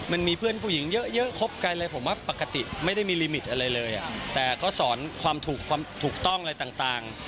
มันมีเพื่อนผู้หญิงเยอะคบกันเลยผมว่าปกติไม่ได้มีลิมิตอะไรเลยแต่เขาสอนความถูกความถูกต้องอะไรต่าง